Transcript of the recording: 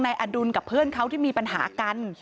อดุลกับเพื่อนเขาที่มีปัญหากัน